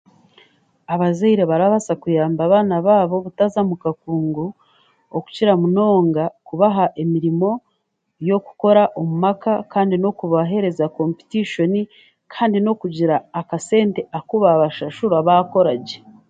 Abazaire barabaasa kuyamba abaana baabo obutaza mu kakungu okukira munonga kubaha emirimo y'okukora omu maka kandi n'okubaheereza kompitishoni kandi n'okugira akasente aku baabashashura baakora gye.